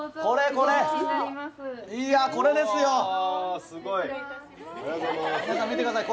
これこれ皆さん見てください